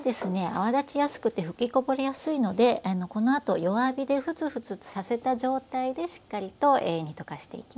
泡立ちやすくて吹きこぼれやすいのでこのあと弱火でフツフツとさせた状態でしっかりと煮溶かしていきます。